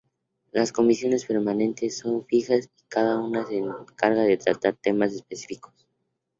Las comisiones permanentes son fijas y cada una se encarga de tratar temas específicos.